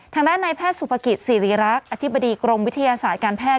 ทางด้านในแพทย์สุภกิจสิริรักษ์อธิบดีกรมวิทยาศาสตร์การแพทย์